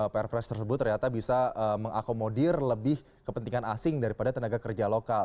perpres tersebut ternyata bisa mengakomodir lebih kepentingan asing daripada tenaga kerja lokal